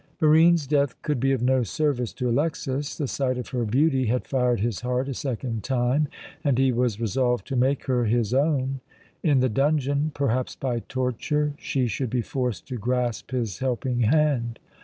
Barine's death could be of no service to Alexas. The sight of her beauty had fired his heart a second time, and he was resolved to make her his own. In the dungeon, perhaps by torture, she should be forced to grasp his helping hand.